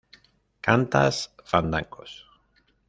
cantas fandangos